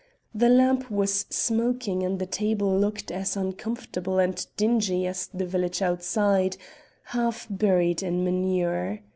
The lamp was smoking and the table looked as uncomfortable and dingy as the village outside, half buried in manure.